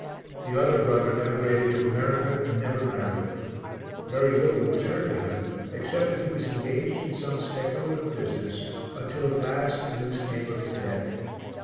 The other brother emigrated to America and never married. Very little was heard of him, except that he was engaged in some speculative business, until at last news came of his death.